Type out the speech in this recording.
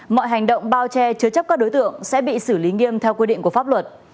mọi hành động bao che chứa chấp các đối tượng sẽ bị xử lý nghiêm theo quy định của pháp luật